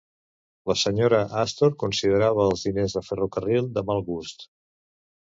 La Senyora Astor considerava els diners de ferrocarril de mal gust.